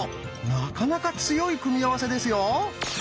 なかなか強い組み合わせですよ。